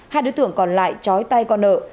hai đối tượng còn lại trói tay con nợ